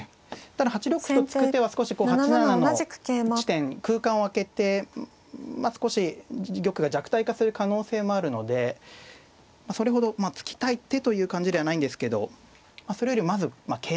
ただ８六歩と突く手は少しこう８七の地点空間を空けてまあ少し自玉が弱体化する可能性もあるのでそれほど突きたい手という感じではないんですけどそれよりまず桂馬ですね。